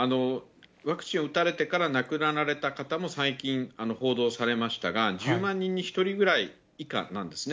ワクチンを打たれてから亡くなられた方も最近報道されましたが、１０万人に１人ぐらい以下なんですね。